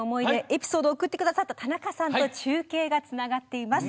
エピソードを送ってくださった田中さんと中継がつながっています。